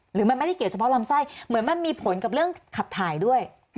หรือมันไม่ได้เกี่ยวเฉพาะลำไส้เหมือนมันมีผลกับเรื่องขับถ่ายด้วย